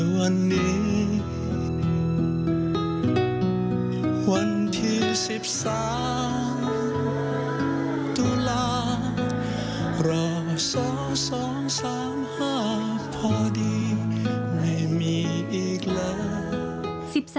วันที่๑๓ตุลารอสองสองสามห้าพอดีไม่มีอีกแล้ว